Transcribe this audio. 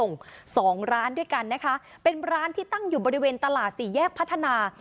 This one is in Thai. สองร้านด้วยกันนะคะเป็นร้านที่ตั้งอยู่บริเวณตลาดสี่แยกพัฒนา